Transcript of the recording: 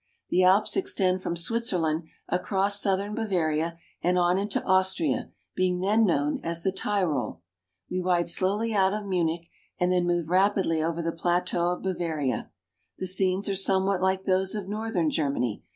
The Alps extend from Switzerland across southern Bavaria and on into Austria, being then known as the Tyrol. We ride slowly out 276 THE UPPER DANUBE. of Munich, and then move rapidly over the plateau of Bavaria. The scenes are somewhat like those of north ern Germany.